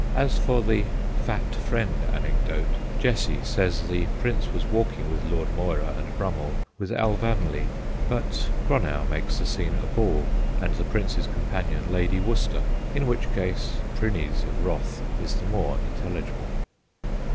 As for the * fat friend '' anecdote, Jesse says the Prince was walking with Lord Moira and Brummell with Alvanley; but Gronow makes the scene a ball and the Prince's companion Lady Worcester, in which case ' Prinney's ' wrath is the more intelligible.